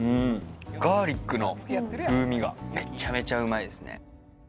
ガーリックの風味がめちゃめちゃうまいですね